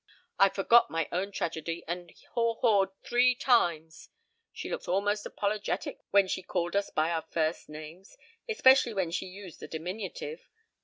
I forgot my own tragedy and haw hawed three times. She looked almost apologetic when she called us by our first names, especially when she used the diminutive.